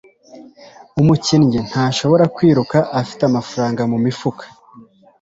Umukinnyi ntashobora kwiruka afite amafaranga mumifuka.